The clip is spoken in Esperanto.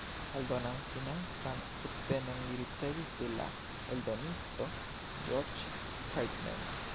Aldonan financan subtenon li ricevis de la eldonisto "Georges Hartmann".